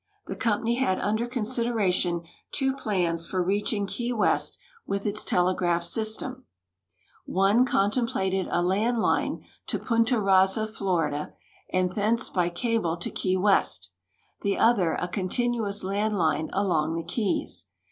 The company had under consideration two plans for reaching Key West with its telegraph system. One contemplated a land line to Punta Rassa, Florida, and thence b}' cable to Key West; the other a continuous land line along the keys.